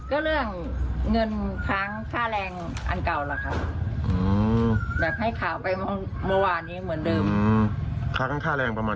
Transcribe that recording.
อืมคือค้างค่าแรงมา๒พัน